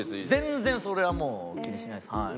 全然それはもう気にしないです。